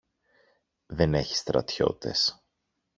Δεν έχει στρατιώτες.